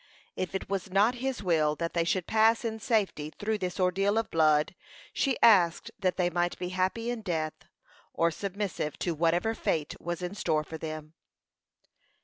If it was not His will that they should pass in safety through this ordeal of blood, she asked that they might be happy in death, or submissive to whatever fate was in store for them.